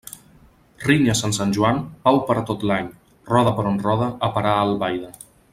Rinyes en Sant Joan, pau per a tot l'any Rode per on rode, a parar a Albaida.